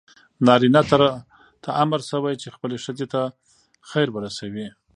نارینه ته امر شوی چې خپلې ښځې ته خیر ورسوي.